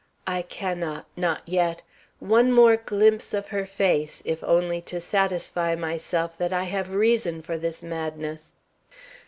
I cannot, not yet. One more glimpse of her face, if only to satisfy myself that I have reason for this madness.